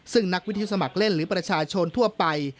ซึ่งนักวิทยุสมัครเล่นหรือประชาชนทั่วไป